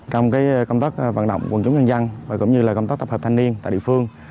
trong công tác vận động quần chúng nhân dân và cũng như là công tác tập hợp thanh niên tại địa phương